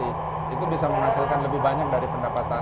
itu bisa menghasilkan lebih banyak dari pendapatan